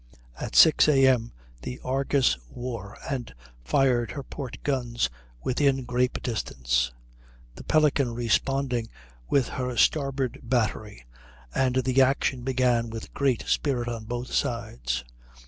At 6 A.M. the Argus wore and fired her port guns within grape distance, the Pelican responding with her starboard battery, and the action began with great spirit on both sides.